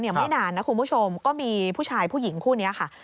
ไม่นานนะคุณผู้ชมก็มีผู้ชายผู้หญิงคู่นี้ค่ะ